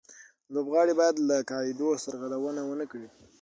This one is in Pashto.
لوبغاړي باید له قاعدو سرغړونه و نه کړي.